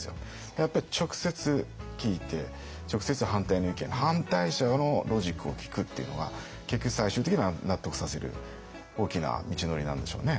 やっぱり直接聞いて直接反対の意見反対者のロジックを聞くっていうのは結局最終的に納得させる大きな道のりなんでしょうね。